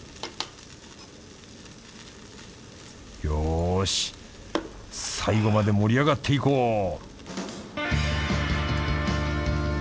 よし最後まで盛り上がっていこう！